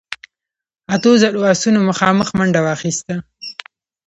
اتو زرو آسونو مخامخ منډه واخيسته.